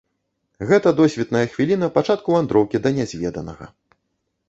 Гэтая досвітная хвіліна пачатку вандроўкі да нязведанага!